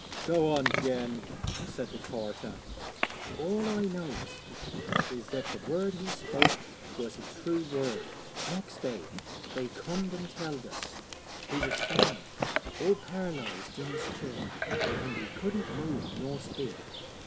'Go on, Jen,' said the carter. 'All I knows is that the word he spoke was a true word. Next day they comed and telled us he was found all par'lysed in his chair, an' he couldn't move nor speak.